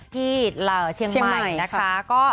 ที่เชียงใหม่นะคะ